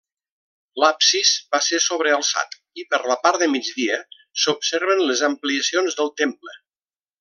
L'absis va ser sobrealçat, i per la part de migdia s'observen les ampliacions del temple.